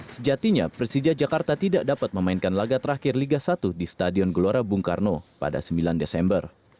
sejatinya persija jakarta tidak dapat memainkan laga terakhir liga satu di stadion gelora bung karno pada sembilan desember